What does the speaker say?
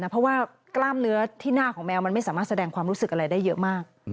เพราะว่ากล้ามเนื้อที่หน้าของแมวมันไม่สามารถแสดงความรู้สึกอะไรได้เยอะมาก